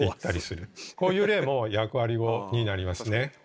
こういう例も役割語になりますね。